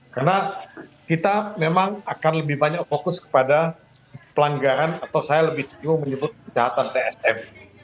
karena kita memang akan lebih banyak fokus kepada pelanggaran atau saya lebih ceku menyebut kejahatan tsm